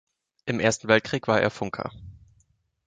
Im Ersten Weltkrieg war er Funker.